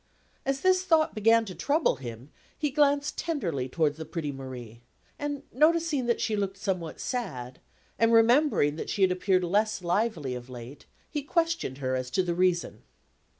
As this thought began to trouble him, he glanced tenderly towards the pretty Marie; and noticing that she looked somewhat sad, and remembering that she had appeared less lively of late, he questioned her as to the reason.